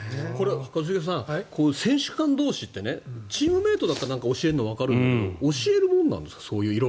一茂さん、選手間同士でチームメートだったら教えるのはわかるんだけど教えるものなんですか？